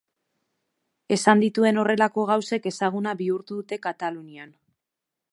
Esan dituen horrelako gauzek ezaguna bihurtu dute Katalunian.